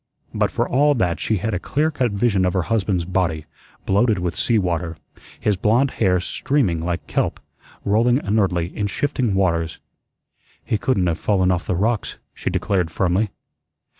But for all that she had a clear cut vision of her husband's body, bloated with seawater, his blond hair streaming like kelp, rolling inertly in shifting waters. "He couldn't have fallen off the rocks," she declared firmly.